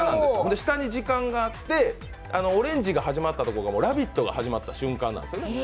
下に時間があってオレンジが始まったところが「ラヴィット！」が始まった瞬間なんです。